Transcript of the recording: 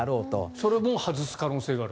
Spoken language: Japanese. それも外す可能性がある？